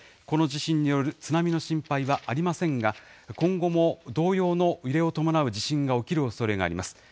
この地震による津波の心配はありませんが、今後も同様の揺れを伴う地震が起きるおそれがあります。